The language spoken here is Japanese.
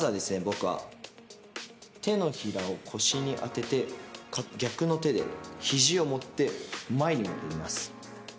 僕は手のひらを腰に当てて逆の手で肘を持って前に戻ります。